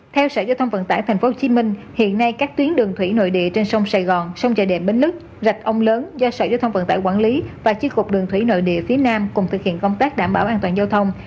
theo sở giao thông vận tải tp hcm hiện nay các tuyến đường thủy nội địa trên sông sài gòn sông chạy đệm bến lức rạch ông lớn do sở giao thông vận tải quản lý và chiếc cục đường thủy nội địa phía nam cùng thực hiện công tác đảm bảo an toàn giao thông